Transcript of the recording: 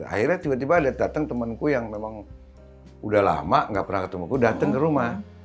akhirnya tiba tiba ada datang temanku yang memang udah lama gak pernah ketemuku datang ke rumah